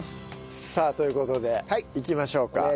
さあという事でいきましょうか。